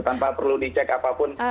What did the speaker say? tanpa perlu dicek apapun